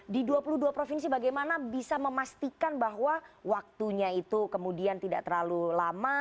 di dua puluh dua provinsi bagaimana bisa memastikan bahwa waktunya itu kemudian tidak terlalu lama